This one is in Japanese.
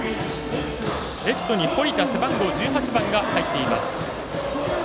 レフトに堀田背番号１８番が入っています。